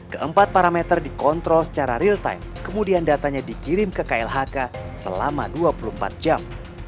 keempat parameter dikontrol secara real time kemudian datanya dikirim ke klhk selama dua puluh empat jam